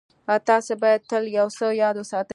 تاسې بايد تل يو څه ياد وساتئ.